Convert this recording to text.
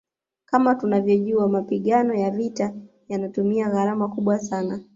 Kama tunavyojua mapigano ya vita yanatumia gharama kubwa sana